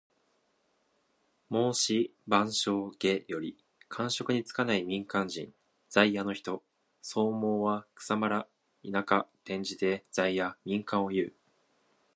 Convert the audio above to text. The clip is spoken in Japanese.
『孟子』「万章・下」より。官職に就かない民間人。在野の人。「草莽」は草むら・田舎。転じて在野・民間をいう。